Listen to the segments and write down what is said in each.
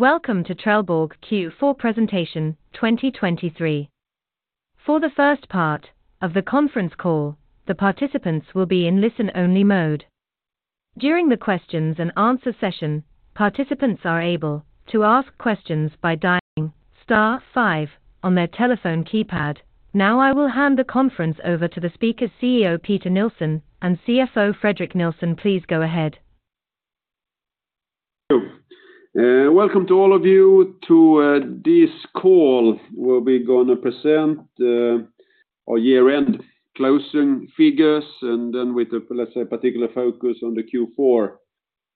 Welcome to Trelleborg Q4 Presentation 2023. For the first part of the conference call, the participants will be in listen-only mode. During the questions and answer session, participants are able to ask questions by dialing star five on their telephone keypad. Now, I will hand the conference over to the speakers CEO, Peter Nilsson and CFO, Fredrik Nilsson. Please go ahead. Thank you. Welcome to all of you to this call. We'll be gonna present our year-end closing figures and then with a, let's say, particular focus on the Q4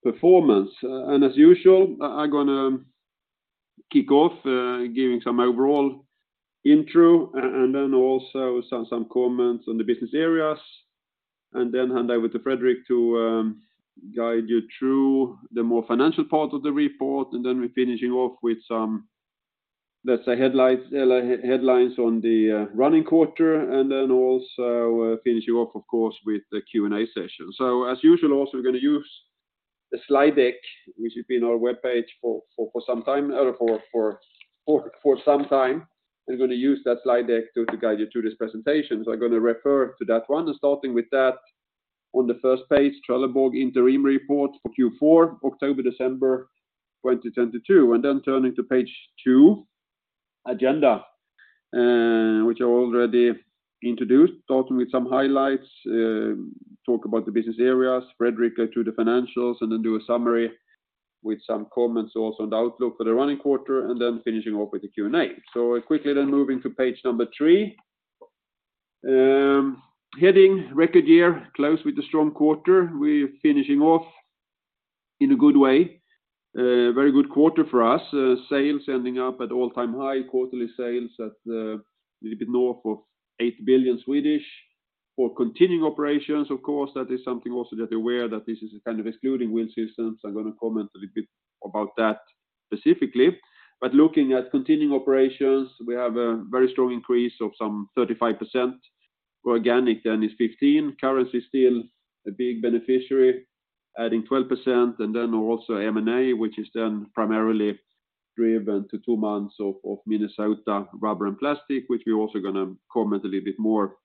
performance. As usual, I'm gonna kick off, giving some overall intro and then also some comments on the business areas, and then hand over to Fredrik to guide you through the more financial part of the report. Then we're finishing off with some, let's say, headlights, headlines on the running quarter and then also finish you off, of course, with the Q&A session. As usual, also, we're gonna use a slide deck, which has been on our webpage for some time or for some time, and we're gonna use that slide deck to guide you through this presentation. I'm gonna refer to that one and starting with that on the first page, Trelleborg Interim Report for Q4 October-December 2022. Turning to page two, agenda, which I already introduced, starting with some highlights, talk about the business areas, Fredrik go through the financials, and then do a summary with some comments also on the outlook for the running quarter, and then finishing off with the Q&A. Quickly then moving to page three. Heading, record year close with a strong quarter. We're finishing off in a good way. Very good quarter for us. Sales ending up at all-time high. Quarterly sales at, little bit north of 8 billion for continuing operations. Of course, that is something also that we're aware that this is kind of excluding Wheel Systems. I'm gonna comment a little bit about that specifically. Looking at continuing operations, we have a very strong increase of some 35%. Organic is 15%. Currency still a big beneficiary, adding 12%. Also M&A, which is then primarily driven to two months of Minnesota Rubber & Plastics, which we're also gonna comment a little bit more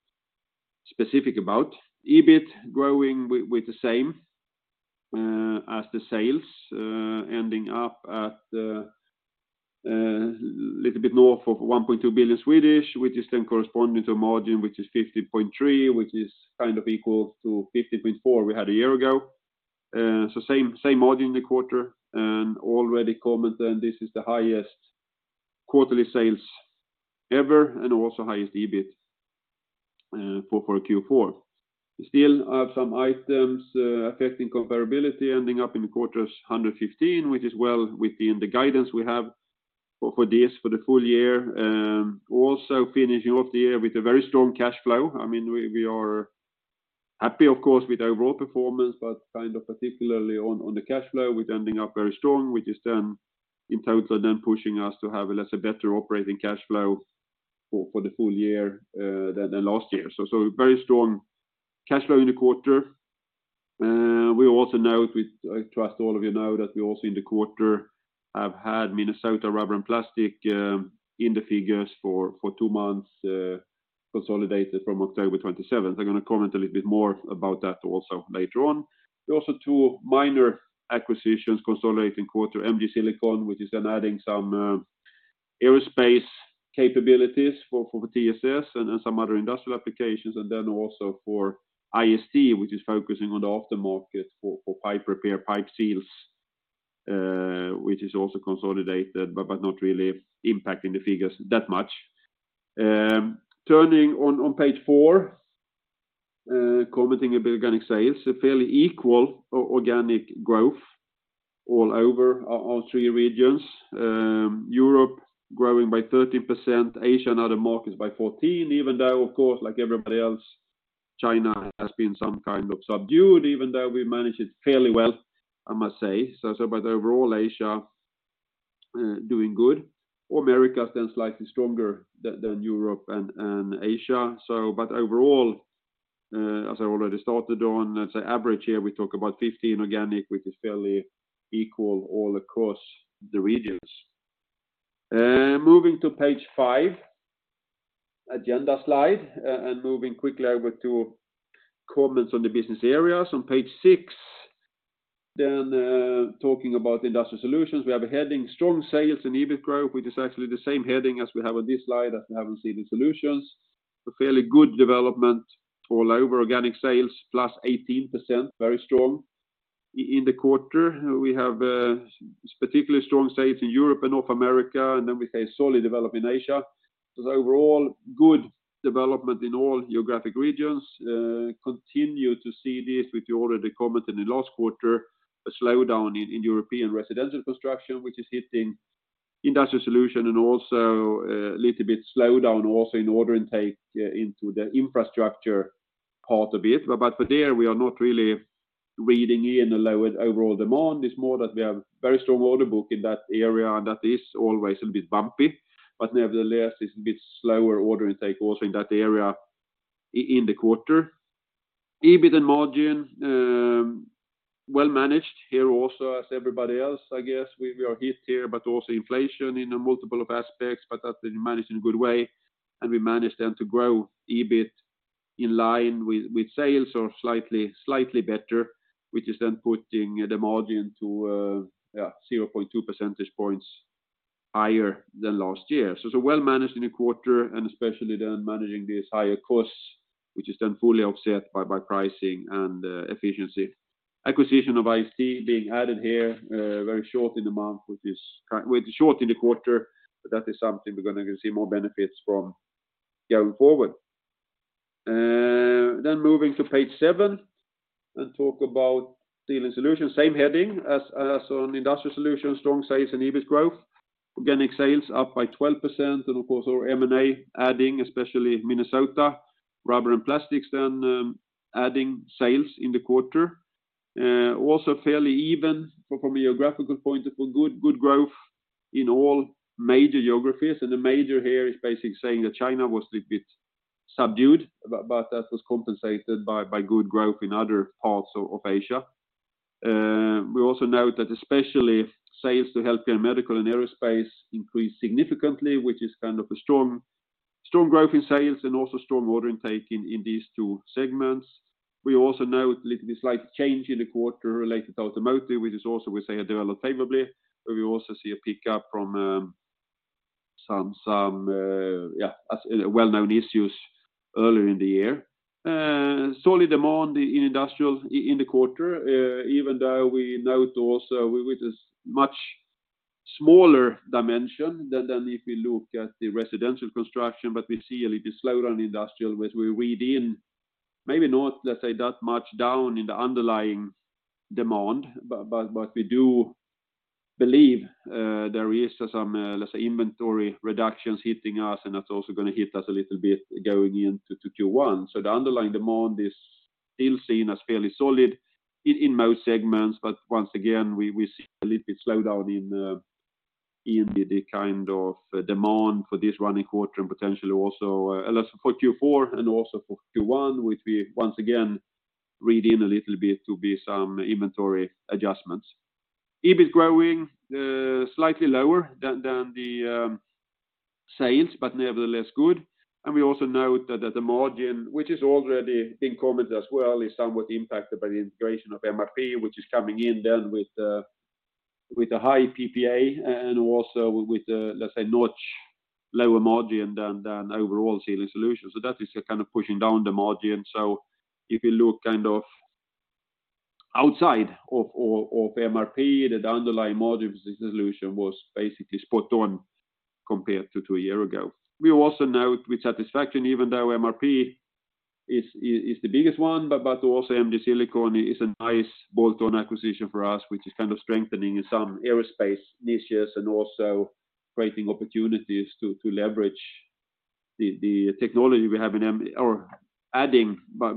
specific about. EBIT growing with the same as the sales, ending up at a little bit north of 1.2 billion, which is then corresponding to a margin which is 50.3%, which is kind of equal to 50.4% we had a year ago. Same margin in the quarter. Already commented, this is the highest quarterly sales ever and also highest EBIT for Q4. We still have some items affecting comparability ending up in the quarter's 115, which is well within the guidance we have for the full year. Also finishing off the year with a very strong cash flow. I mean, we are happy, of course, with the overall performance, but kind of particularly on the cash flow, with ending up very strong, which is then in total pushing us to have, let's say, better operating cash flow for the full year than last year. Very strong cash flow in the quarter. We also note that we also in the quarter have had Minnesota Rubber & Plastics in the figures for two months, consolidated from October 27th. I'm gonna comment a little bit more about that also later on. There are also two minor acquisitions consolidating quarter, MG Silicon, which is then adding some aerospace capabilities for TSS and some other industrial applications. Also for IST, which is focusing on the aftermarket for pipe repair, pipe seals, which is also consolidated but not really impacting the figures that much. Turning on page four, commenting a bit organic sales, a fairly equal organic growth all over our three regions. Europe growing by 13%, Asia and other markets by 14%, even though, of course, like everybody else, China has been some kind of subdued, even though we managed it fairly well, I must say. Overall Asia doing good. Americas slightly stronger than Europe and Asia. Overall, as I already started on, let's say average here, we talk about 15 organic, which is fairly equal all across the regions. Moving to page five, agenda slide, moving quickly over to comments on the business areas. On page six, talking about the industrial solutions, we have a heading, strong sales and EBIT growth, which is actually the same heading as we have on this slide as we have on Sealing Solutions. A fairly good development all over. Organic sales plus 18%, very strong in the quarter. We have, specifically strong sales in Europe and North America, then we say solid development in Asia. Overall, good development in all geographic regions. Continue to see this, which we already commented in the last quarter, a slowdown in European residential construction, which is hitting Industrial Solutions and also a little bit slowdown also in order intake into the infrastructure part of it. There we are not really reading in a lower overall demand. It's more that we have very strong order book in that area, and that is always a little bit bumpy. Nevertheless, it's a bit slower order intake also in that area in the quarter. EBIT and margin, well managed here also as everybody else, I guess. We are hit here, but also inflation in a multiple of aspects, but that managed in a good way, and we managed then to grow EBIT in line with sales or slightly better, which is then putting the margin to 0.2 percentage points higher than last year. Well managed in the quarter and especially then managing these higher costs, which is then fully offset by pricing and efficiency. Acquisition of IC being added here, very short in the month, which is short in the quarter, but that is something we're gonna see more benefits from going forward. Moving to page seven and talk about Sealing Solutions. Same heading as on Industrial Solutions, strong sales and EBIT growth. Organic sales up by 12%. Of course our M&A adding, especially Minnesota Rubber & Plastics then, adding sales in the quarter. Also fairly even from a geographical point of view, good growth in all major geographies. The major here is basically saying that China was a bit subdued, but that was compensated by good growth in other parts of Asia. We also note that especially sales to healthcare and medical and aerospace increased significantly, which is kind of a strong growth in sales and also strong order intake in these two segments. We also note a little bit slight change in the quarter related to automotive, which is also we say develop favorably, but we also see a pickup from some, yeah, as well-known issues earlier in the year. Solid demand in industrials in the quarter, even though we note also with this much smaller dimension than if we look at the residential construction, but we see a little slowdown in industrial, which we read in maybe not, let's say, that much down in the underlying demand. We do believe there is some, let's say, inventory reductions hitting us, and that's also gonna hit us a little bit going into Q1. The underlying demand is still seen as fairly solid in most segments. Once again, we see a little bit slowdown in the kind of demand for this running quarter and potentially also, let's say for Q4 and also for Q1, which we once again read in a little bit to be some inventory adjustments. EBIT growing slightly lower than than the sales, but nevertheless good. We also note that the margin, which is already being commented as well, is somewhat impacted by the integration of MRP, which is coming in then with a high PPA and also with, let's say, notch lower margin than than overall Sealing Solutions. That is kind of pushing down the margin. If you look kind of outside of, of MRP, that underlying margin solution was basically spot on compared to to a year ago. We also note with satisfaction, even though MRP is the biggest one, but also MD Silicon is a nice bolt-on acquisition for us, which is kind of strengthening in some aerospace niches and also creating opportunities to leverage the technology we have or adding by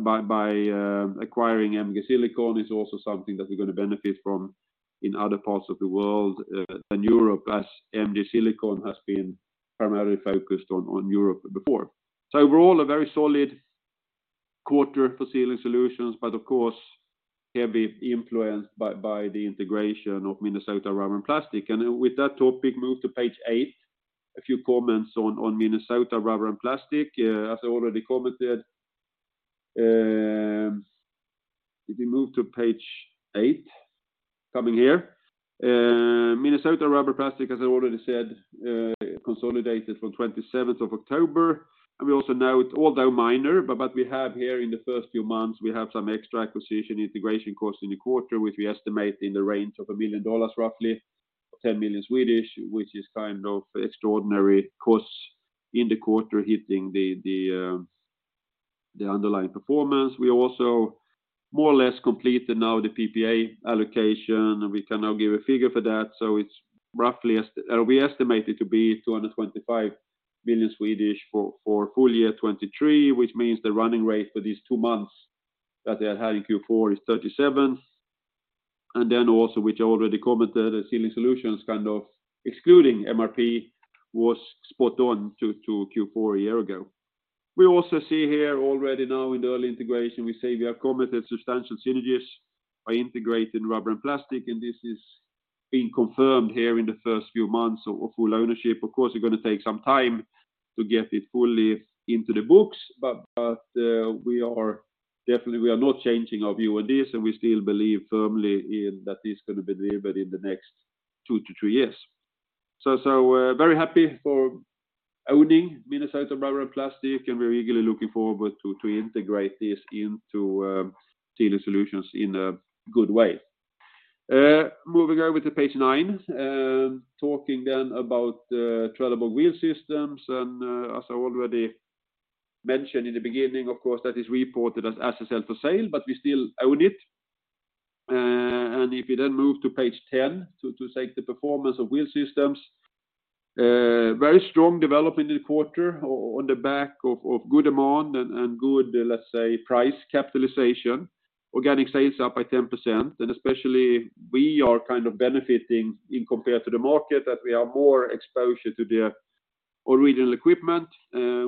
acquiring MD Silicon is also something that we're gonna benefit from in other parts of the world than Europe, as MD Silicon has been primarily focused on Europe before. Overall, a very solid quarter for Sealing Solutions, but of course, heavy influenced by the integration of Minnesota Rubber & Plastics. With that topic, move to page eight, a few comments on Minnesota Rubber & Plastics. As I already commented, if you move to page eight, coming here. Minnesota Rubber & Plastics, as I already said, consolidated from 27th of October. We also note, although minor, but we have here in the first few months, we have some extra acquisition integration costs in the quarter, which we estimate in the range of $1 million roughly, 10 million, which is kind of extraordinary costs in the quarter hitting the underlying performance. We also more or less completed now the PPA allocation, and we can now give a figure for that. It's roughly we estimate it to be 225 million for full year 2023, which means the running rate for these two months that they are having Q4 is 37. Also, which I already commented, the Sealing Solutions, kind of excluding MRP, was spot on to Q4 a year ago. We also see here already now in the early integration, we say we have committed substantial synergies by integrating Rubber and Plastic, this is being confirmed here in the first few months of full ownership. Of course, it's gonna take some time to get it fully into the books. we are definitely not changing our view on this, we still believe firmly in that this gonna be delivered in the next two to three years. very happy for owning Minnesota Rubber and Plastic, we're eagerly looking forward to integrate this into Sealing Solutions in a good way. Moving over to page nine, talking about Trelleborg Wheel Systems. as I already mentioned in the beginning, of course, that is reported as a sale for sale, we still own it. If you then move to page 10 to take the performance of Wheel Systems. Very strong development in the quarter on the back of good demand and good, let's say, price capitalization. Organic sales up by 10%. Especially we are kind of benefiting in compared to the market that we have more exposure to the Original Equipment,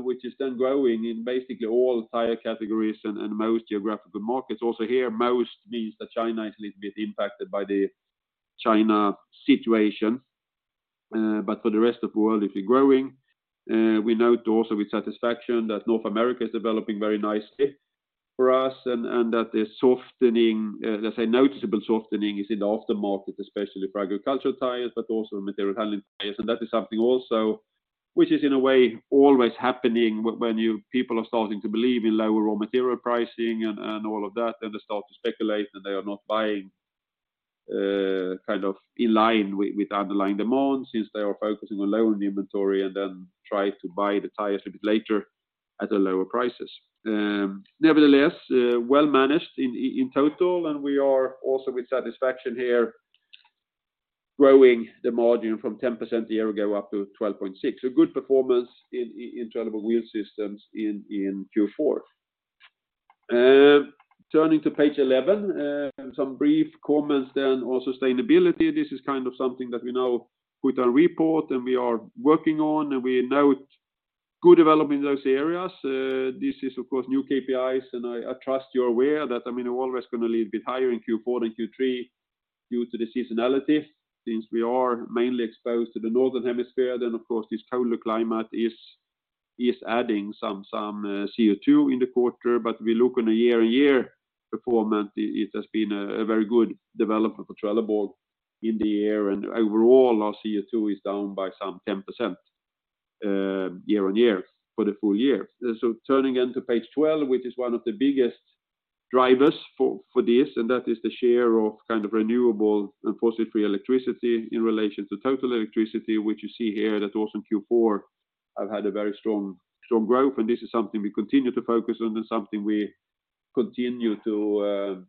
which is then growing in basically all tire categories and most geographical markets. Also here, most means that China is a little bit impacted by the China situation. For the rest of the world, it is growing. We note also with satisfaction that North America is developing very nicely for us and that the softening, let's say noticeable softening is in the aftermarket, especially for agricultural tires, but also material handling tires. That is something also which is in a way always happening when people are starting to believe in lower raw material pricing and all of that, then they start to speculate and they are not buying, kind of in line with underlying demand since they are focusing on lowering the inventory and then try to buy the tires a bit later at the lower prices. Nevertheless, well managed in total, and we are also with satisfaction here growing the margin from 10% a year ago up to 12.6%. Good performance in Trelleborg Wheel Systems in Q4. Turning to page 11, some brief comments then on sustainability. This is kind of something that we now put our report and we are working on, and we note good development in those areas. This is of course new KPIs, and I trust you're aware that, I mean, we're always gonna be a little bit higher in Q4 than Q3 due to the seasonality. Since we are mainly exposed to the northern hemisphere, then of course this colder climate is adding some CO2 in the quarter. We look on a year-on-year performance, it has been a very good development for Trelleborg in the year. Overall, our CO2 is down by some 10% year-on-year for the full year. Turning then to page 12, which is one of the biggest drivers for this, and that is the share of kind of renewable and fossil-free electricity in relation to total electricity, which you see here that also in Q4 have had a very strong growth. This is something we continue to focus on and something we continue to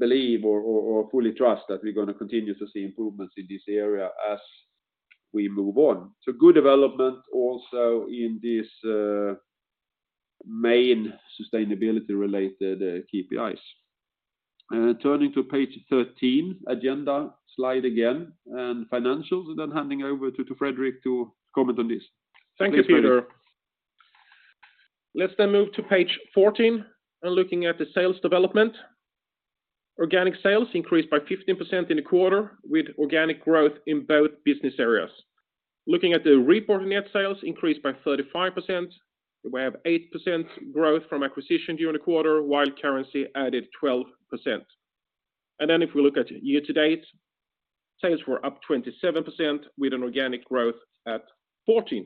believe or fully trust that we're gonna continue to see improvements in this area as we move on. Good development also in this main sustainability related KPIs. Turning to page 13, agenda slide again, and financials, and then handing over to Fredrik to comment on this. Thank you, Peter. Let's move to page 14 and looking at the sales development. Organic sales increased by 15% in the quarter with organic growth in both business areas. Looking at the reported net sales increased by 35%. We have 8% growth from acquisition during the quarter, while currency added 12%. If we look at year to date, sales were up 27% with an organic growth at 14%.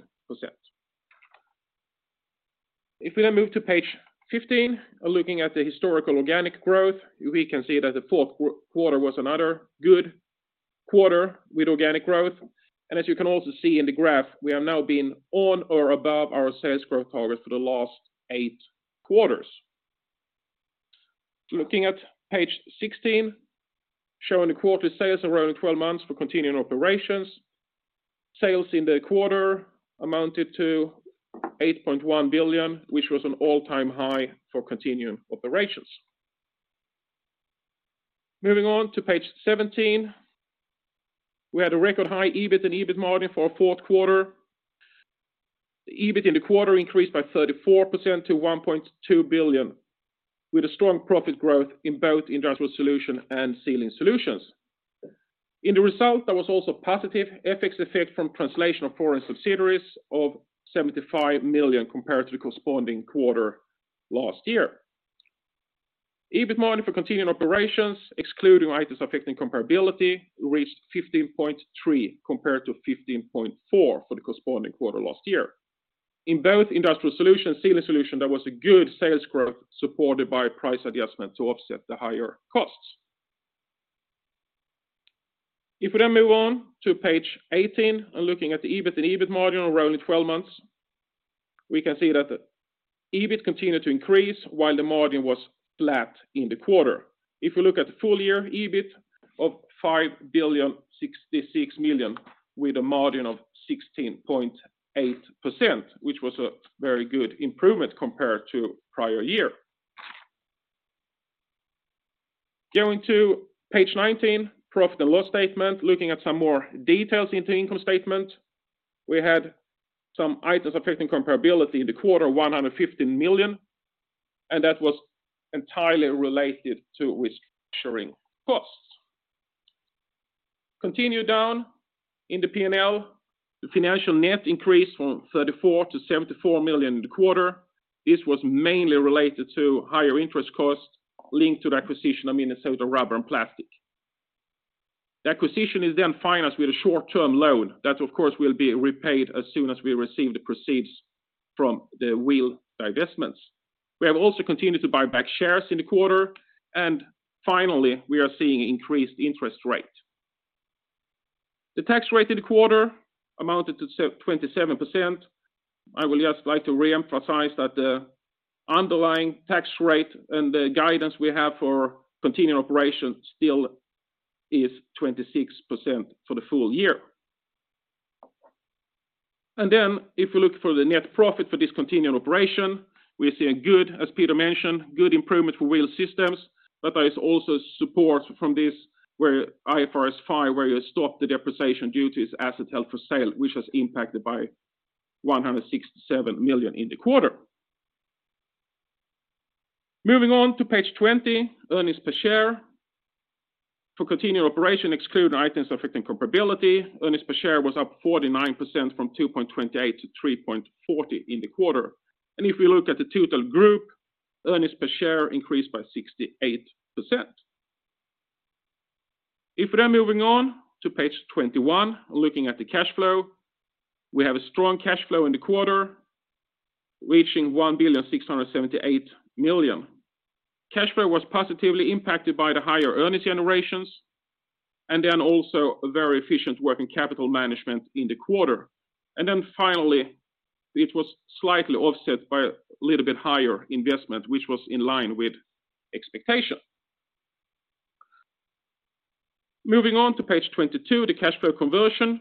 If we move to page 15, looking at the historical organic growth, we can see that the fourth quarter was another good quarter with organic growth. As you can also see in the graph, we have now been on or above our sales growth targets for the last eight quarters. Looking at page 16, showing the quarterly sales around 12 months for continuing operations. Sales in the quarter amounted to 8.1 billion, which was an all-time high for continuing operations. Moving on to page 17. We had a record high EBIT and EBIT margin for our fourth quarter. The EBIT in the quarter increased by 34% to 1.2 billion, with a strong profit growth in both Industrial Solutions and Sealing Solutions. In the result, there was also positive FX effect from translation of foreign subsidiaries of 75 million compared to the corresponding quarter last year. EBIT margin for continuing operations, excluding items affecting comparability, reached 15.3% compared to 15.4% for the corresponding quarter last year. In both Industrial Solutions, Sealing Solutions, there was a good sales growth supported by price adjustment to offset the higher costs. Move on to page 18, looking at the EBIT and EBIT margin around the 12 months, we can see that the EBIT continued to increase while the margin was flat in the quarter. Looking at the full year, EBIT of 5,066 million, with a margin of 16.8%, which was a very good improvement compared to prior year. Going to page 19, profit and loss statement, looking at some more details into income statement. We had some items affecting comparability in the quarter, 150 million, that was entirely related to restructuring costs. Continue down in the P&L. The financial net increased from 34 million-74 million in the quarter. This was mainly related to higher interest costs linked to the acquisition of Minnesota Rubber & Plastics. The acquisition is financed with a short-term loan that of course will be repaid as soon as we receive the proceeds from the wheel divestments. We have also continued to buy back shares in the quarter. Finally, we are seeing increased interest rate. The tax rate in the quarter amounted to 27%. I will just like to reemphasize that the underlying tax rate and the guidance we have for continuing operations still is 26% for the full year. If we look for the net profit for discontinued operation, we're seeing good, as Peter mentioned, good improvement for Wheel Systems. There is also support from this where IFRS 5, where you stop the depreciation duties asset held for sale, which was impacted by 167 million in the quarter. Moving on to page 20, earnings per share. For continued operation, excluding items affecting comparability, earnings per share was up 49% from 2.28-3.40 in the quarter. If we look at the total group, earnings per share increased by 68%. If we're then moving on to page 21, looking at the cash flow, we have a strong cash flow in the quarter, reaching 1.678 billion. Cash flow was positively impacted by the higher earnings generations and then also a very efficient working capital management in the quarter. Finally, it was slightly offset by a little bit higher investment, which was in line with expectation. Moving on to page 22, the cash flow conversion.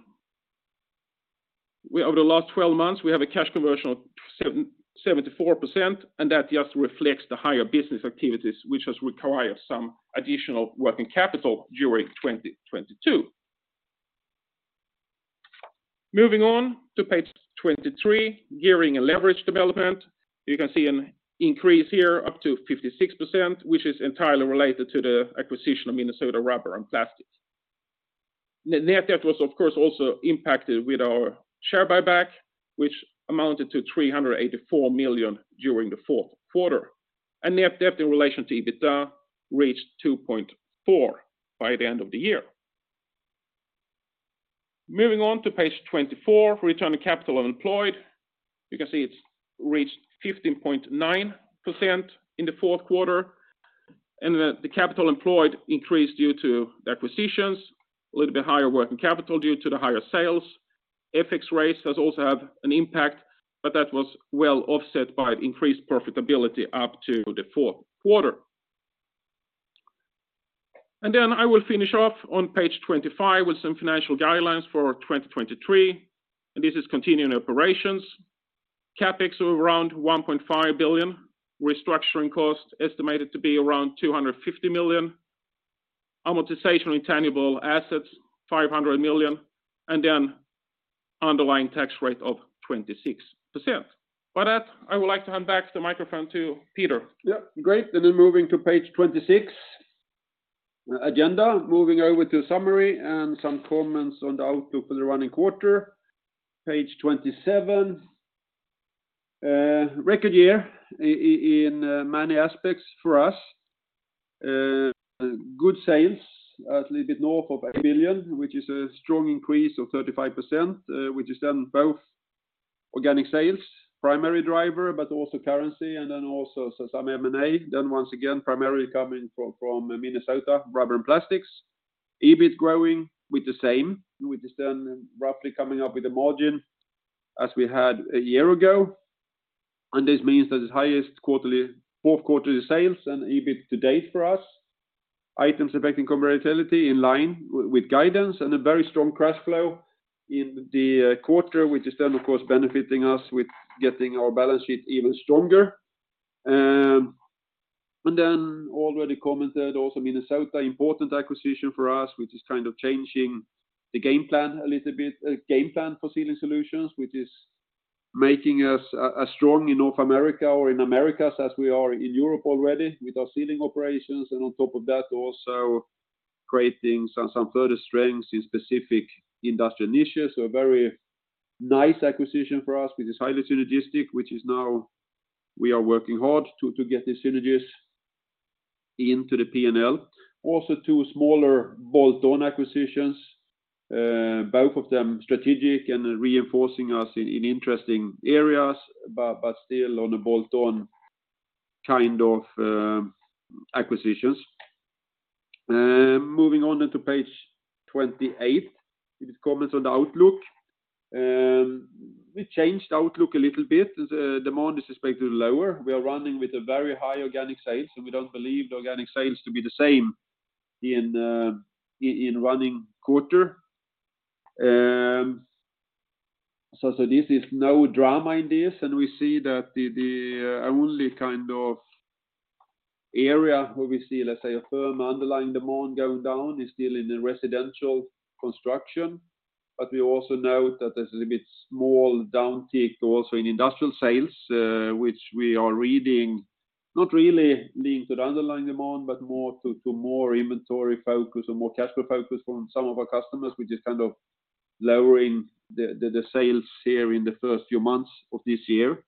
Over the last 12 months, we have a cash conversion of 774%. That just reflects the higher business activities, which has required some additional working capital during 2022. Moving on to page 23, gearing and leverage development. You can see an increase here up to 56%, which is entirely related to the acquisition of Minnesota Rubber & Plastics. Net debt was, of course, also impacted with our share buyback, which amounted to 384 million during the fourth quarter. Net debt in relation to EBITDA reached 2.4 by the end of the year. Moving on to page 24, return on capital employed. You can see it's reached 15.9% in the fourth quarter. The capital employed increased due to the acquisitions, a little bit higher working capital due to the higher sales. FX rates has also had an impact, but that was well offset by increased profitability up to the fourth quarter. I will finish off on page 25 with some financial guidelines for 2023. This is continuing operations. CapEx of around 1.5 billion, restructuring cost estimated to be around 250 million. Amortization of intangible assets, 500 million, underlying tax rate of 26%. With that, I would like to hand back the microphone to Peter. Yeah, great. Moving to page 26, agenda. Moving over to summary and some comments on the outlook for the running quarter. Page 27, record year in many aspects for us. Good sales, a little bit north of 1 billion, which is a strong increase of 35%, which is then both organic sales, primary driver, but also currency and then also some M&A. Once again, primarily coming from Minnesota Rubber & Plastics. EBIT growing with the same, which is then roughly coming up with the margin as we had a year ago. This means that it's highest fourth quarter sales and EBIT to date for us. Items affecting comparability in line with guidance and a very strong cash flow in the quarter, which is then of course benefiting us with getting our balance sheet even stronger. Then already commented also Minnesota, important acquisition for us, which is kind of changing the game plan a little bit, game plan for sealing solutions, which is making us as strong in North America or in Americas as we are in Europe already with our sealing operations. On top of that, also creating some further strengths in specific industrial niches. A very nice acquisition for us, which is highly synergistic, which is now we are working hard to get the synergies into the P&L. Two smaller bolt-on acquisitions, both of them strategic and reinforcing us in interesting areas, but still on a bolt-on kind of acquisitions. Moving on into page 28, it is comments on the outlook. We changed outlook a little bit. The demand is expected lower. We are running with a very high organic sales, so we don't believe the organic sales to be the same in running quarter. This is no drama in this, and we see that the only kind of area where we see, let's say, a firm underlying demand going down is still in the residential construction. We also note that there's a bit small downtick also in industrial sales, which we are reading not really linked to the underlying demand, but more inventory focus or more cash flow focus from some of our customers, which is kind of lowering the sales here in the first few months of this year.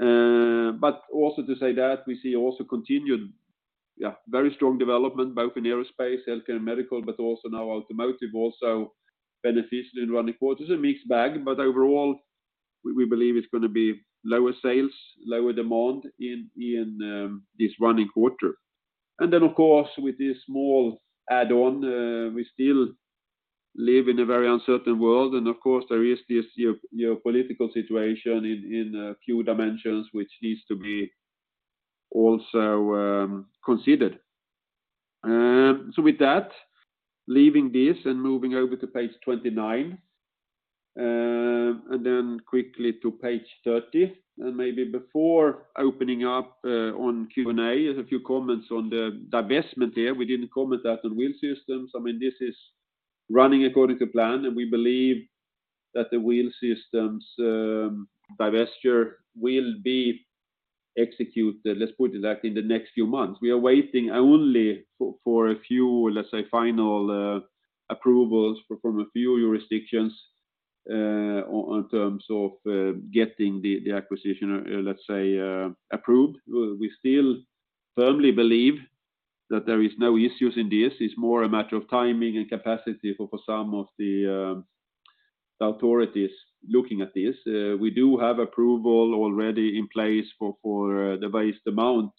Also to say that we see also continued, very strong development, both in aerospace, healthcare and medical, also now automotive also beneficial in running quarters. A mixed bag, overall, we believe it's going to be lower sales, lower demand in this running quarter. Of course, with this small add-on, we still live in a very uncertain world. Of course, there is this geopolitical situation in a few dimensions which needs to be also considered. With that, leaving this and moving over to page 29. Quickly to page 30. Maybe before opening up on Q&A, there's a few comments on the divestment here. We didn't comment that on Wheel Systems. I mean, this is running according to plan, and we believe that the Wheel Systems divesture will be executed, let's put it that, in the next few months. We are waiting only for a few, let's say, final approvals from a few jurisdictions on terms of getting the acquisition, or let's say, approved. We still firmly believe that there is no issues in this. It's more a matter of timing and capacity for some of the authorities looking at this. We do have approval already in place for the vast amount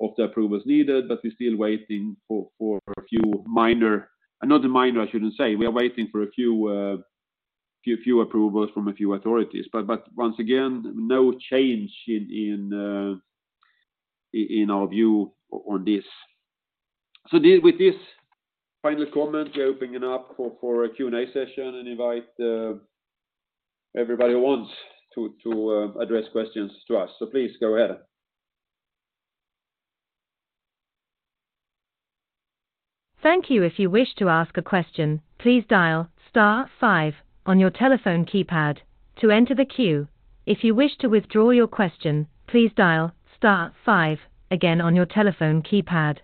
of the approvals needed, but we're still waiting for a few. We are waiting for a few approvals from a few authorities. Once again, no change in our view on this. With this final comment, we're opening it up for a Q&A session and invite everybody who wants to address questions to us. Please go ahead. Thank you. If you wish to ask a question, please dial star five on your telephone keypad to enter the queue. If you wish to withdraw your question, please dial star five again on your telephone keypad.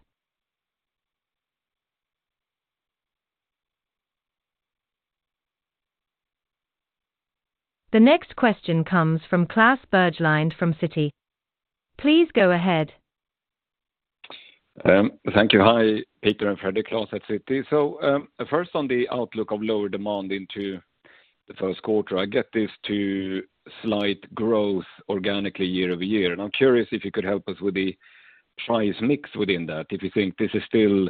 The next question comes from Klas Bergelind from Citi. Please go ahead. Thank you. Hi, Peter and Fredrik. Klas at Citi. First on the outlook of lower demand into the first quarter, I get this to slight growth organically year-over-year. I'm curious if you could help us with the price mix within that. If you think this is still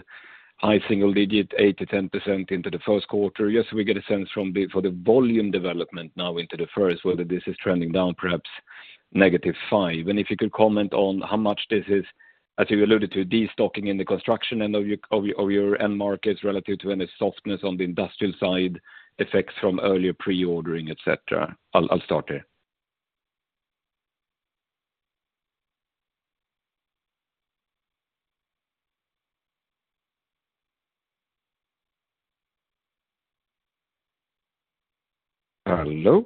high single digit, 8%-10% into the first quarter. Just so we get a sense for the volume development now into the first, whether this is trending down, perhaps -5%. If you could comment on how much this is, as you alluded to, destocking in the construction end of your, of your end markets relative to any softness on the industrial side, effects from earlier pre-ordering, et cetera. I'll start there. Hello?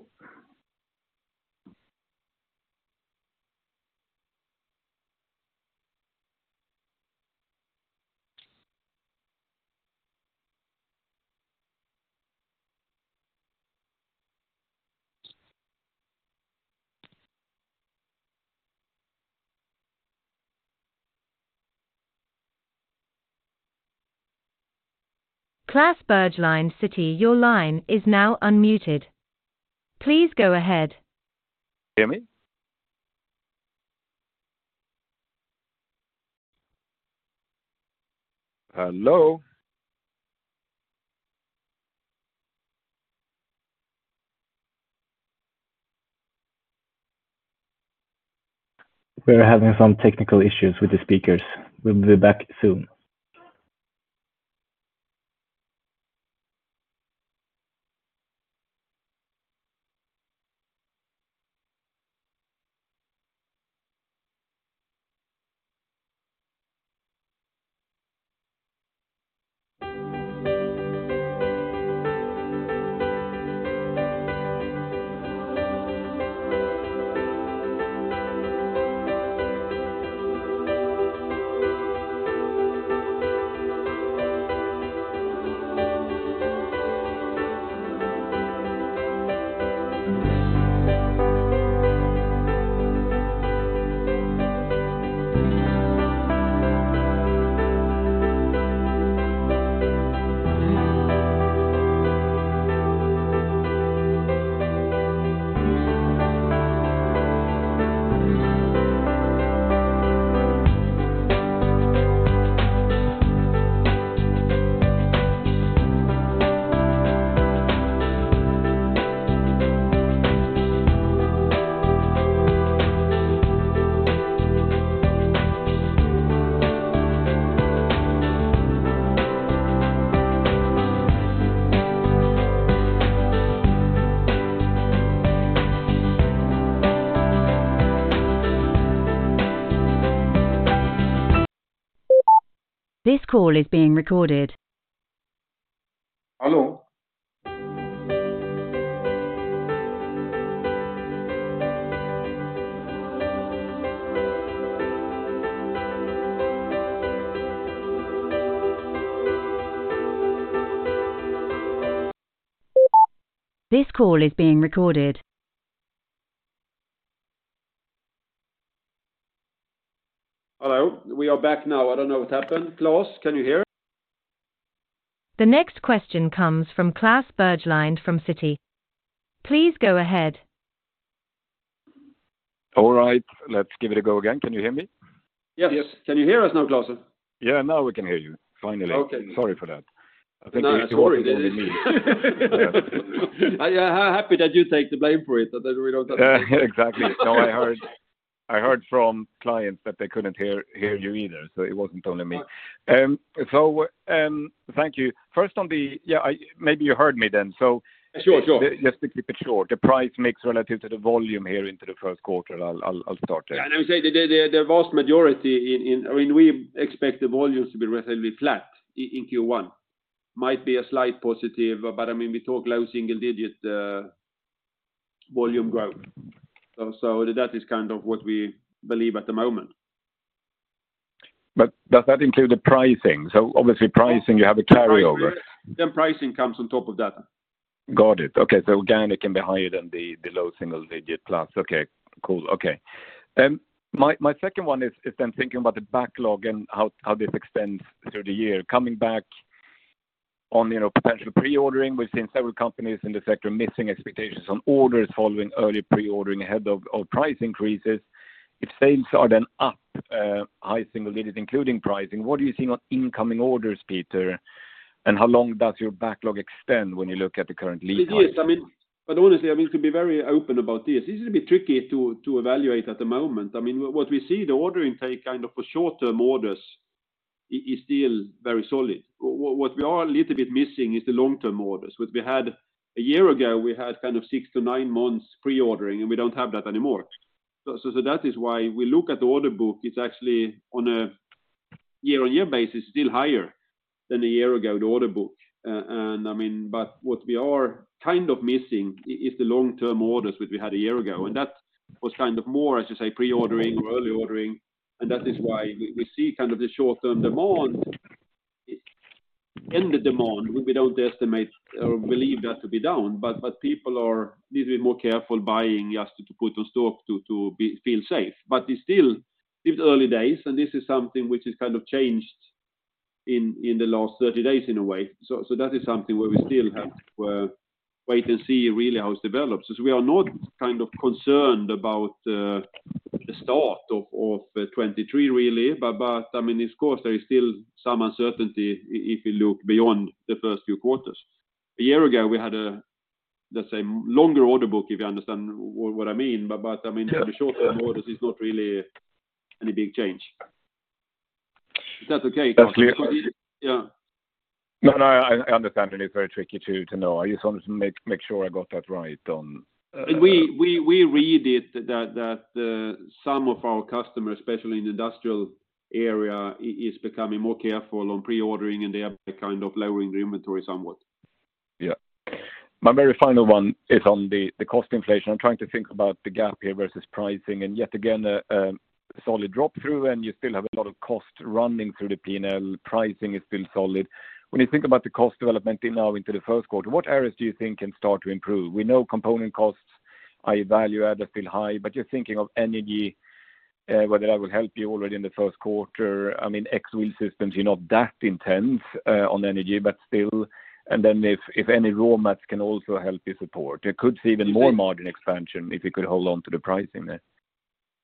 Klas Bergelind, Citi, your line is now unmuted. Please go ahead. Hear me? Hello? We're having some technical issues with the speakers. We'll be back soon. This call is being recorded. Hello? This call is being recorded. Hello. We are back now. I don't know what happened. Klas, can you hear? The next question comes from Klas Bergelind from Citi. Please go ahead. All right, let's give it a go again. Can you hear me? Yes. Can you hear us now, Klas? Yeah, now we can hear you, finally. Okay. Sorry for that. No, it's all right. I happy that you take the blame for it, so that we don't have to. Yeah, exactly. No, I heard from clients that they couldn't hear you either, so it wasn't only me. Thank you. First on the. Yeah, maybe you heard me then. Sure, sure. Just to keep it short, the price mix relative to the volume here into the first quarter, I'll start there. I mean, we expect the volumes to be relatively flat in Q1. Might be a slight positive, but, I mean, we talk low single digit volume growth. So that is kind of what we believe at the moment. Does that include the pricing? Obviously pricing, you have a carryover. Pricing comes on top of that. Got it. Okay. Again, it can be higher than the low single digit plus. Okay, cool. Okay. My second one is then thinking about the backlog and how this extends through the year. Coming back on, you know, potential pre-ordering, we've seen several companies in the sector missing expectations on orders following early pre-ordering ahead of price increases. If sales are then up high single digits including pricing, what are you seeing on incoming orders, Peter, and how long does your backlog extend when you look at the current lead times? It is. I mean, honestly, I mean, to be very open about this is a bit tricky to evaluate at the moment. I mean, what we see the order intake kind of for short-term orders is still very solid. What we are a little bit missing is the long-term orders, which we had. A year ago, we had kind of six to nine months pre-ordering, and we don't have that anymore. So that is why we look at the order book, it's actually on a year-on-year basis still higher than a year ago, the order book. I mean, but what we are kind of missing is the long-term orders which we had a year ago. That was kind of more, as you say, pre-ordering or early ordering, and that is why we see kind of the short-term demand in the demand. We don't estimate or believe that to be down, but people are a little bit more careful buying just to put on stock to feel safe. It's still early days, and this is something which has kind of changed in the last 30 days in a way. That is something where we still have wait and see really how it develops. As we are not kind of concerned about the start of 2023, really. I mean, of course, there is still some uncertainty if you look beyond the first few quarters. A year ago, we had a, let's say, longer order book, if you understand what I mean. I mean. Yeah. The short-term orders is not really any big change. Is that okay? That's clear. Yeah. No, no, I understand that it's very tricky to know. I just wanted to make sure I got that right on. We read it that some of our customers, especially in the industrial area, is becoming more careful on pre-ordering. They are kind of lowering the inventory somewhat. Yeah. My very final one is on the cost inflation. I'm trying to think about the gap here versus pricing, and yet again, solid drop through, and you still have a lot of cost running through the P&L. Pricing is still solid. When you think about the cost development now into the first quarter, what areas do you think can start to improve? We know component costs, i.e. value add are still high, but you're thinking of energy, whether that will help you already in the first quarter. I mean, ex-Wheel Systems, you're not that intense on energy, but still. Then if any raw mats can also help you support. There could be even more margin expansion if you could hold on to the pricing there.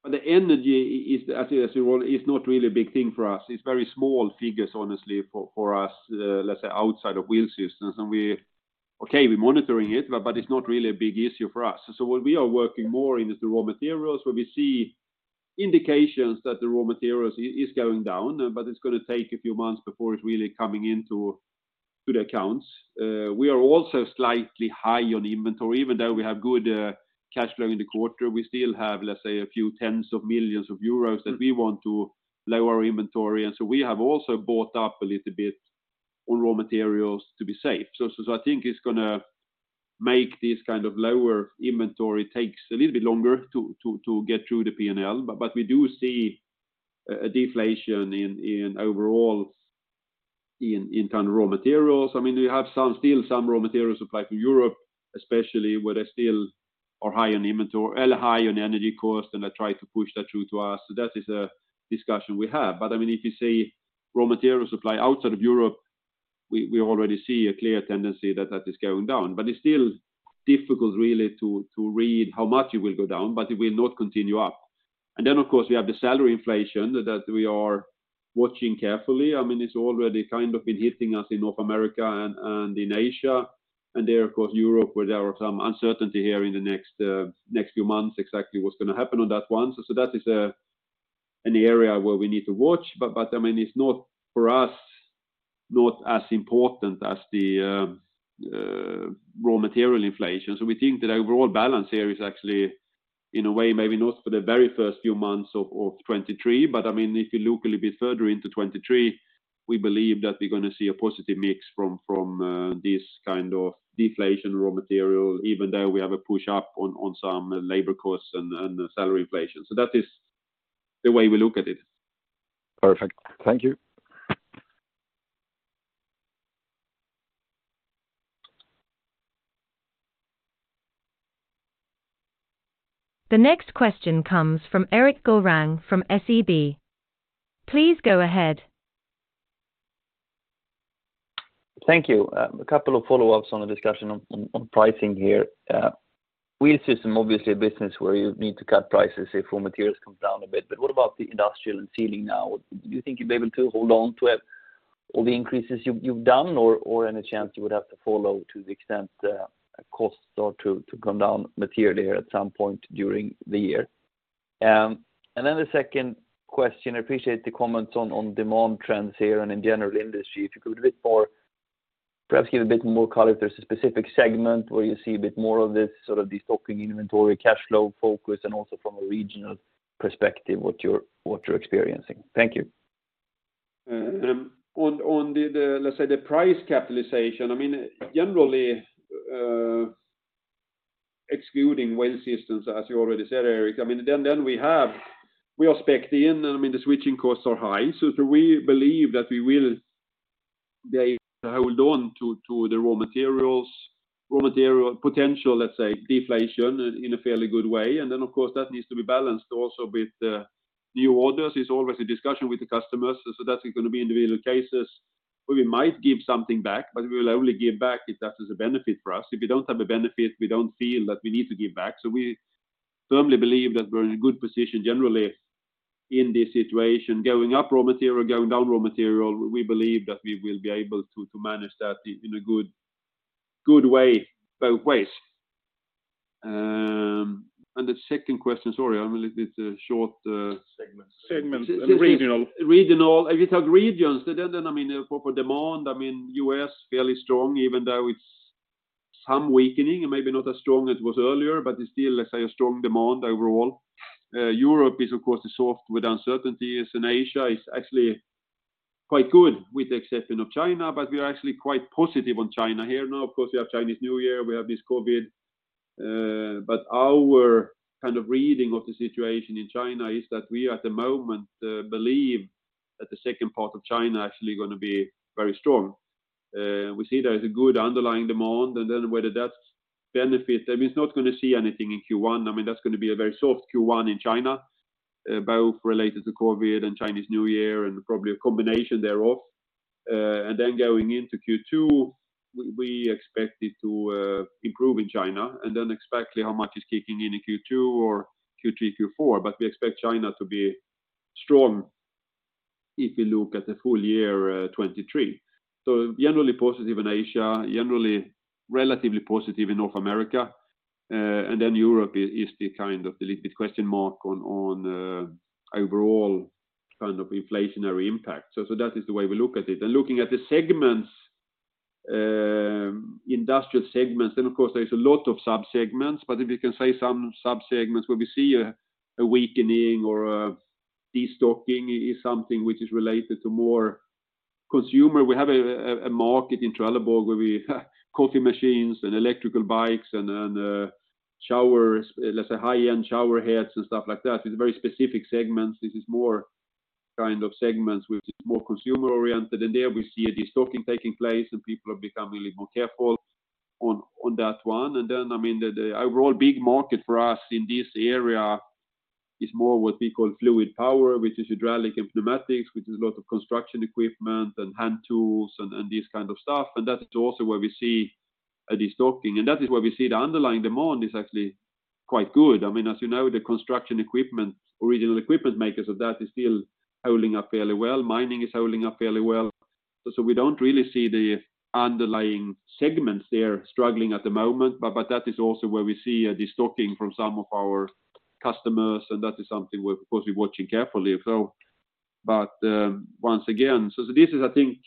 The energy is, as you want, is not really a big thing for us. It's very small figures, honestly, for us, let's say outside of Wheel Systems. We're monitoring it, but it's not really a big issue for us. What we are working more in is the raw materials, where we see indications that the raw materials is going down, but it's gonna take a few months before it's really coming into the accounts. We are also slightly high on inventory. Even though we have good cash flow in the quarter, we still have, let's say, a few tens of millions of EUR that we want to lower our inventory. We have also bought up a little bit on raw materials to be safe. I think it's gonna make this kind of lower inventory takes a little bit longer to get through the P&L. We do see a deflation in overall in kind of raw materials. I mean, we have some still, some raw material supply to Europe, especially where they still are high on inventory or high on energy costs, and they try to push that through to us. That is a discussion we have. I mean, if you say raw material supply outside of Europe, we already see a clear tendency that is going down. It's still difficult really to read how much it will go down, but it will not continue up. Then, of course, we have the salary inflation that we are watching carefully. I mean, it's already kind of been hitting us in North America and in Asia. There, of course, Europe, where there are some uncertainty here in the next few months exactly what's going to happen on that one. That is an area where we need to watch. I mean, it's not, for us, not as important as the raw material inflation. We think that overall balance here is actually, in a way, maybe not for the very first few months of 2023. I mean, if you look a little bit further into 2023, we believe that we're gonna see a positive mix from this kind of deflation raw material, even though we have a push up on some labor costs and salary inflation. That is the way we look at it. Perfect. Thank you. The next question comes from Erik Golrang from SEB. Please go ahead. Thank you. A couple of follow-ups on the discussion on pricing here. Wheel Systems, obviously a business where you need to cut prices if raw materials comes down a bit. What about the industrial and Sealing now? Do you think you'll be able to hold on to all the increases you've done or any chance you would have to follow to the extent costs start to come down materially at some point during the year? The second question, I appreciate the comments on demand trends here and in general industry. If you could a bit more, perhaps give a bit more color if there's a specific segment where you see a bit more of this sort of destocking inventory, cash flow focus, and also from a regional perspective, what you're experiencing. Thank you. On the, let's say, the price capitalization, I mean, generally, excluding Wheel Systems, as you already said, Eric, I mean, then we are spec'd in. I mean, the switching costs are high. Do we believe that we will, they hold on to the raw materials, raw material potential, let's say, deflation in a fairly good way. Of course, that needs to be balanced also with new orders. It's always a discussion with the customers. That's going to be individual cases where we might give something back, but we will only give back if that is a benefit for us. If we don't have a benefit, we don't feel that we need to give back. We firmly believe that we're in a good position generally in this situation, going up raw material, going down raw material, we believe that we will be able to manage that in a good way, both ways. The second question, sorry, I'm a little bit short. Segments. Segments. Regional. Regional. If it's regions, then, I mean, for demand, I mean, U.S. fairly strong, even though it's some weakening and maybe not as strong as it was earlier, but it's still, let's say, a strong demand overall. Europe is, of course, the soft with uncertainties, and Asia is actually quite good with the exception of China, but we are actually quite positive on China here. Now, of course, we have Chinese New Year, we have this COVID, but our kind of reading of the situation in China is that we at the moment believe that the second part of China actually gonna be very strong. We see there is a good underlying demand, and then whether that's benefit. I mean, it's not gonna see anything in Q1. I mean, that's gonna be a very soft Q1 in China, both related to COVID and Chinese New Year and probably a combination thereof. Going into Q2, we expect it to improve in China, and then exactly how much is kicking in in Q2 or Q3, Q4. We expect China to be strong if you look at the full year 2023. Generally positive in Asia, generally relatively positive in North America, Europe is the kind of the little bit question mark on overall kind of inflationary impact. That is the way we look at it. Looking at the segments, industrial segments, then of course, there's a lot of sub-segments, but if you can say some sub-segments where we see a weakening or a destocking is something which is related to more consumer. We have a market in Trelleborg where we coffee machines and electrical bikes and showers, let's say high-end shower heads and stuff like that. It's very specific segments. This is more kind of segments which is more consumer-oriented. There we see a destocking taking place, and people are becoming a little more careful on that one. Then, I mean, the overall big market for us in this area is more what we call fluid power, which is hydraulic and pneumatics, which is a lot of construction equipment and hand tools and this kind of stuff. That is also where we see a destocking. That is where we see the underlying demand is actually quite good. I mean, as you know, the construction equipment, Original Equipment makers of that is still holding up fairly well. Mining is holding up fairly well. We don't really see the underlying segments there struggling at the moment. But that is also where we see a destocking from some of our customers. That is something we're, of course, we're watching carefully. But, once again. This is, I think,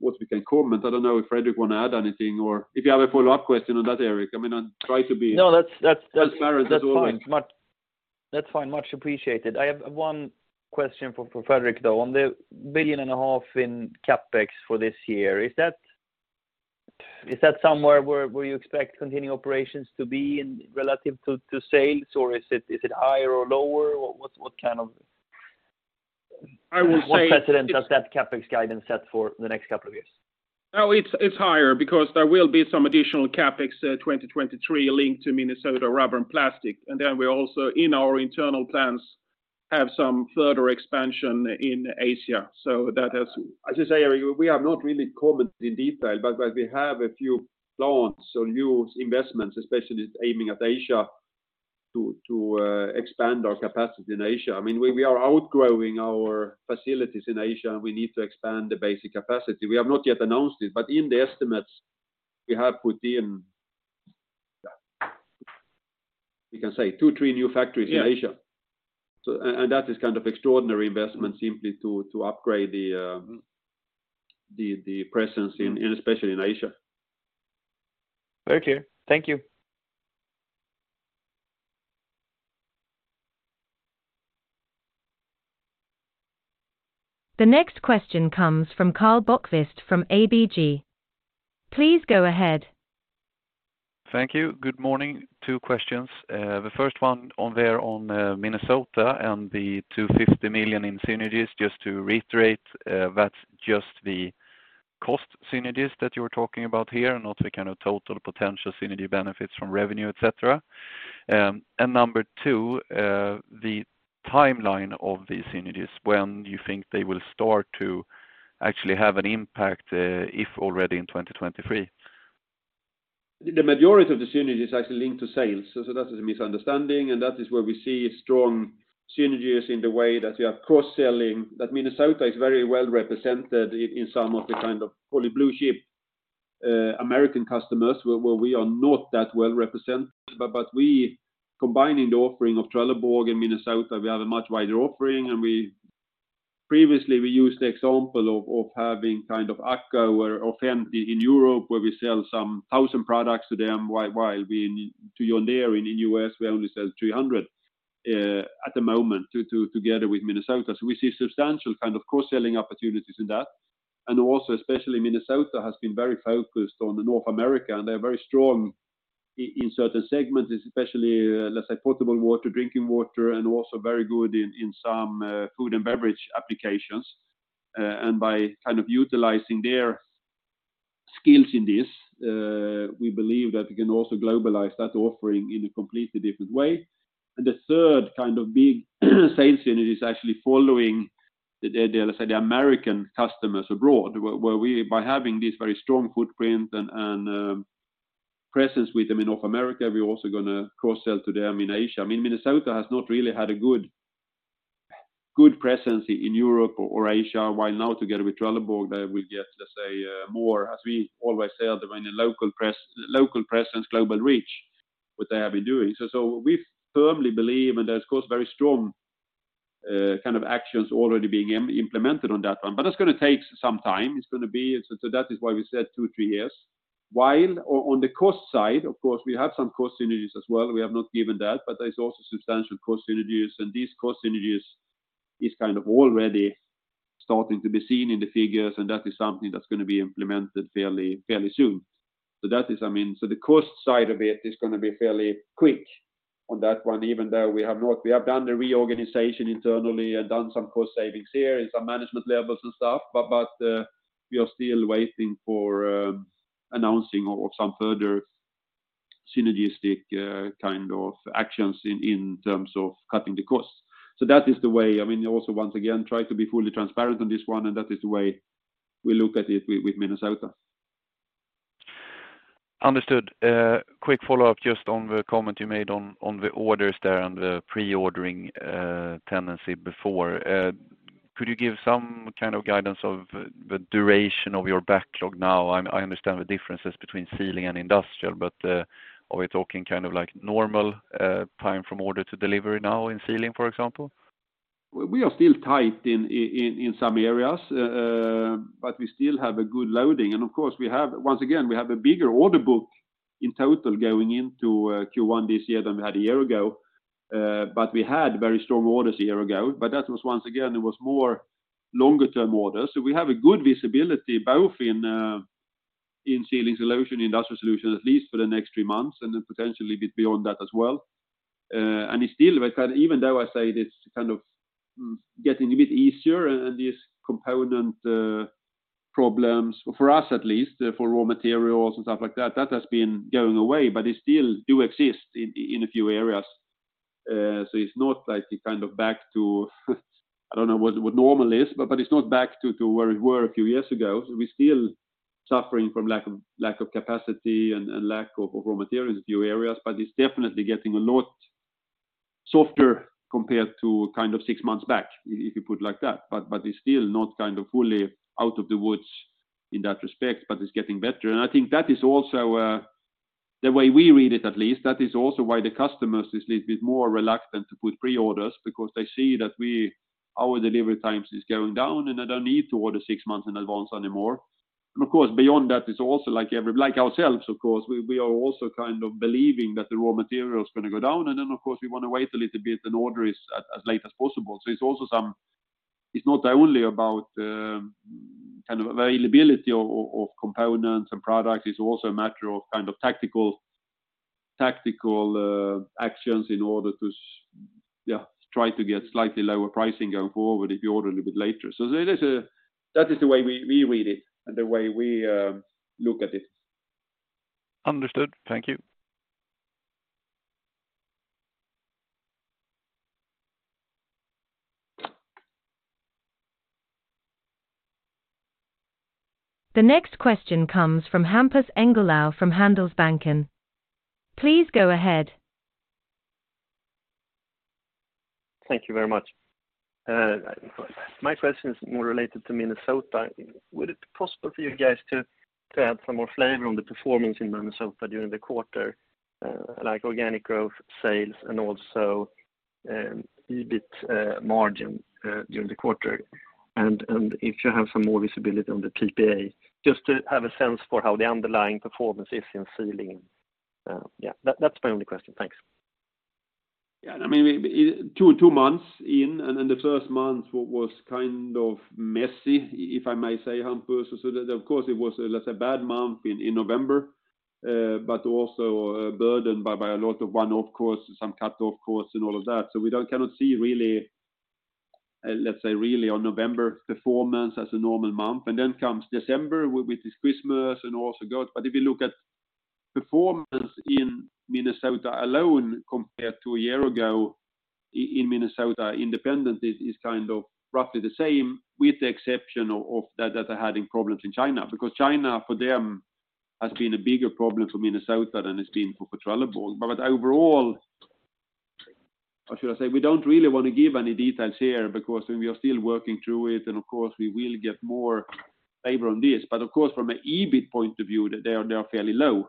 what we can comment. I don't know if Fredrik want to add anything or if you have a follow-up question on that, Eric. I mean, I try to be No, that's. As clear as it's always. That's fine. Much appreciated. I have one question for Fredrik, though. On the billion and a half SEK in CapEx for this year, is that somewhere where you expect continuing operations to be in relative to sales, or is it higher or lower? What kind of- I would say- What precedent does that CapEx guidance set for the next couple of years? No, it's higher because there will be some additional CapEx, 2023 linked to Minnesota Rubber & Plastics. We also, in our internal plans, have some further expansion in Asia. That has. As I say, Eric, we have not really covered in detail, but we have a few plans or new investments, especially aiming at Asia, to expand our capacity in Asia. I mean, we are outgrowing our facilities in Asia, and we need to expand the basic capacity. We have not yet announced it. In the estimates, we have put in, we can say two, three new factories in Asia. Yeah. That is kind of extraordinary investment simply to upgrade the presence in, especially in Asia. Very clear. Thank you. The next question comes from Karl Bokvist from ABG. Please go ahead. Thank you. Good morning. Two questions. The first one on Minnesota and the $250 million in synergies, just to reiterate, that's just the cost synergies that you were talking about here, not the kind of total potential synergy benefits from revenue, etc. Number two, the timeline of these synergies, when do you think they will start to actually have an impact, if already in 2023? The majority of the synergy is actually linked to sales. That is a misunderstanding, and that is where we see strong synergies in the way that we are cross-selling. That Minnesota is very well represented in some of the kind of fully blue-chip American customers where we are not that well represented. But combining the offering of Trelleborg and Minnesota, we have a much wider offering. Previously, we used the example of having kind of AKKA or FEM in Europe, where we sell some 1,000 products to them, while we to John Deere in US, we only sell 300 at the moment together with Minnesota. We see substantial kind of cross-selling opportunities in that. Also especially Minnesota has been very focused on North America, and they're very strong in certain segments, especially, let's say, portable water, drinking water, and also very good in some food and beverage applications. By kind of utilizing their skills in this, we believe that we can also globalize that offering in a completely different way. The third kind of big sales unit is actually following the, let's say, the American customers abroad, where we by having this very strong footprint and presence with them in North America, we're also gonna cross-sell to them in Asia. I mean, Minnesota has not really had a good presence in Europe or Asia, while now together with Trelleborg, they will get, let's say, more, as we always say, the local presence, global reach, what they have been doing. We firmly believe, and there's of course, very strong, kind of actions already being implemented on that one. That's gonna take some time. It's gonna be... That is why we said 2-3 years. While on the cost side, of course, we have some cost synergies as well. We have not given that, but there's also substantial cost synergies. These cost synergies is kind of already starting to be seen in the figures, and that is something that's gonna be implemented fairly soon. That is, I mean. The cost side of it is gonna be fairly quick on that one, even though we have done the reorganization internally and done some cost savings here in some management levels and stuff. We are still waiting for announcing of some further synergistic kind of actions in terms of cutting the costs. That is the way, I mean, also once again, try to be fully transparent on this one, and that is the way we look at it with Minnesota. Understood. Quick follow-up just on the comment you made on the orders there and the pre-ordering, tendency before. Could you give some kind of guidance of the duration of your backlog now? I understand the differences between Sealing and industrial, but, are we talking kind of like normal, time from order to delivery now in Sealing, for example? We are still tight in some areas, but we still have a good loading. Of course, we have Once again, we have a bigger order book in total going into Q1 this year than we had a year ago. We had very strong orders a year ago, but that was once again, it was more longer-term orders. We have a good visibility both in Sealing Solutions, Industrial Solutions, at least for the next three months, and then potentially a bit beyond that as well. It's still, even though I say it's kind of getting a bit easier and these component problems, for us at least, for raw materials and stuff like that has been going away, but it still do exist in a few areas. It's not like kind of back to, I don't know what normal is, but it's not back to where we were a few years ago. We're still suffering from lack of capacity and lack of raw materials in a few areas, but it's definitely getting a lot softer compared to kind of 6 months back, if you put like that. It's still not kind of fully out of the woods in that respect, but it's getting better. I think that is also the way we read it, at least, that is also why the customers is a little bit more reluctant to put pre-orders because they see that our delivery times is going down, and they don't need to order 6 months in advance anymore. Of course, beyond that, it's also like ourselves, of course, we are also kind of believing that the raw material is gonna go down. Then, of course, we want to wait a little bit and order as late as possible. It's also not only about kind of availability of components and products, it's also a matter of kind of tactical actions in order to, yeah, try to get slightly lower pricing going forward if you order a little bit later. There is that is the way we read it and the way we look at it. Understood. Thank you. The next question comes from Hampus Engellau from Handelsbanken. Please go ahead. Thank you very much. My question is more related to Minnesota. Would it be possible for you guys to add some more flavor on the performance in Minnesota during the quarter, like organic growth, sales, and also, EBIT margin during the quarter? If you have some more visibility on the PPA, just to have a sense for how the underlying performance is in Sealing. Yeah, that's my only question. Thanks. Yeah. I mean, 2 months in. The first month was kind of messy, if I may say, Hampus. That of course it was, let's say, a bad month in November, but also burdened by a lot of one-off costs, some cut-off costs, and all of that. We cannot see really, let's say, on November performance as a normal month. Then comes December with this Christmas and also goes. If you look at performance in Minnesota alone compared to a year ago. In Minnesota, independent is kind of roughly the same with the exception of that they're having problems in China, because China for them has been a bigger problem for Minnesota than it's been for Trelleborg. Overall, what should I say? We don't really want to give any details here because we are still working through it, and of course, we will get more favor on this. From an EBIT point of view, they are fairly low,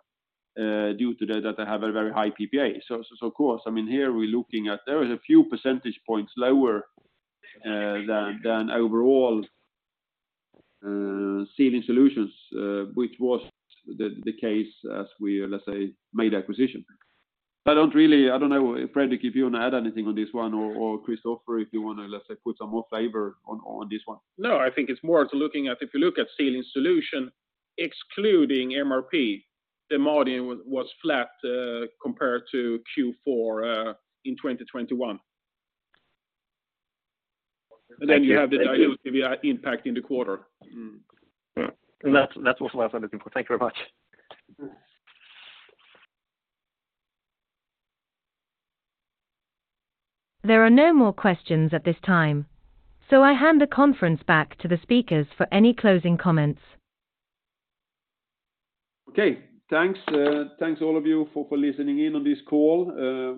due to that they have a very high PPA. Of course, I mean, here we're looking at there is a few percentage points lower than overall Sealing Solutions, which was the case as we, let's say, made acquisition. I don't know, Fredrik, if you want to add anything on this one or Christofer, if you wanna, let's say, put some more flavor on this one. If you look at Sealing Solutions, excluding MRP, the margin was flat compared to Q4 in 2021. Thank you. You have the dilutive impact in the quarter. Mm-hmm. That's also what I was looking for. Thank you very much. There are no more questions at this time, so I hand the conference back to the speakers for any closing comments. Okay. Thanks, thanks all of you for listening in on this call,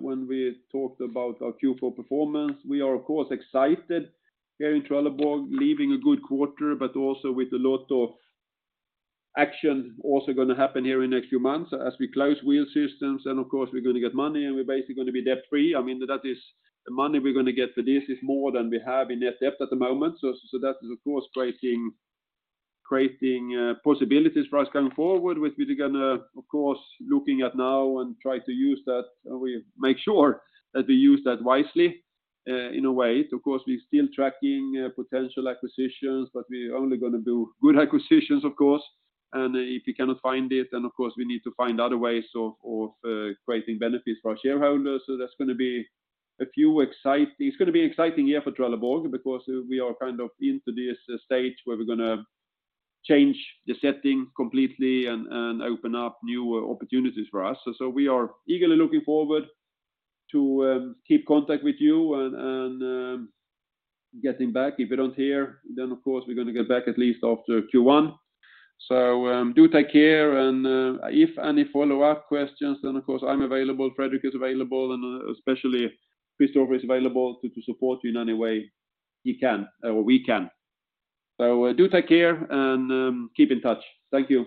when we talked about our Q4 performance. We are of course excited here in Trelleborg, leaving a good quarter, but also with a lot of action gonna happen here in the next few months as we close Wheel Systems, of course, we're gonna get money, we're basically gonna be debt-free. I mean, that is the money we're gonna get for this is more than we have in net debt at the moment. That is, of course, creating possibilities for us going forward, which we're gonna, of course, looking at now and try to use that, we make sure that we use that wisely in a way. Of course, we're still tracking potential acquisitions, but we're only gonna do good acquisitions, of course. If you cannot find it, then of course, we need to find other ways of creating benefits for our shareholders. That's gonna be an exciting year for Trelleborg because we are kind of into this stage where we're gonna change the setting completely and open up new opportunities for us. We are eagerly looking forward to keep contact with you and getting back. If you don't hear, then of course, we're gonna get back at least after Q1. Do take care, if any follow-up questions, then of course, I'm available, Fredrik is available, and especially Christofer is available to support you in any way he can, we can. Do take care and keep in touch. Thank you.